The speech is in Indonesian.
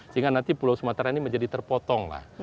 sehingga nanti pulau sumatera ini menjadi terpotong lah